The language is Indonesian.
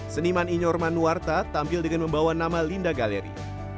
seniman inyorman nuwarta tampil dengan membawa nama linda galeri